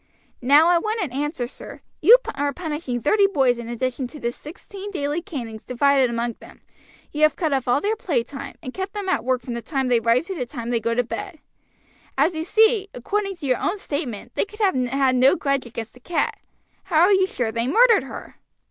"Now I want an answer, sir. You are punishing thirty boys in addition to the sixteen daily canings divided among them; you have cut off all their play time, and kept them at work from the time they rise to the time they go to bed. As you see, according to your own statement, they could have had no grudge against the cat, how are you sure they murdered her?"